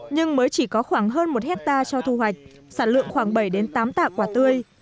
nhưng mới chỉ có khoảng hơn một hectare cho thu hoạch sản lượng khoảng bảy tám tạ quả tươi